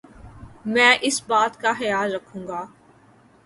میں اس بات کا خیال رکھوں گا ـ